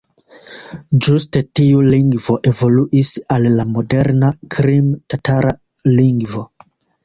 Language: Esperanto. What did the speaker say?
Ĝuste tiu lingvo evoluis al la moderna krime-tatara lingvo.